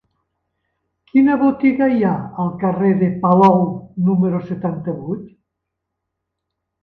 Quina botiga hi ha al carrer de Palou número setanta-vuit?